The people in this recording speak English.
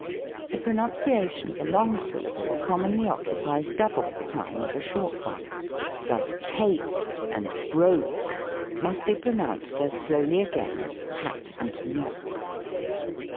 The pronunciation of a long syllable commonly oc cupies double the time of a short one : thus, " Pate," and "Broke," must be pronounced as slowly again as " Pat," and " Knock."